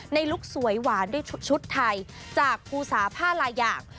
ลุคสวยหวานด้วยชุดไทยจากภูสาผ้าลายอย่าง